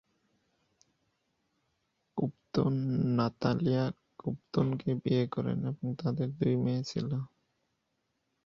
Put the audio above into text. কোভতুন Natalia কোভতুনকে বিয়ে করেন এবং তাদের দুই মেয়ে ছিল।